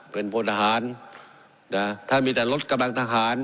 เป็นพลทหารนะถ้ามีแต่รถกำลังทหาร